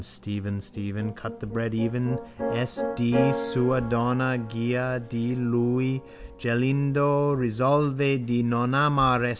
Stephen, Stephen, cut the bread even. S. D: _sua donna. Già: di lui. Gelindo risolve di non amare S.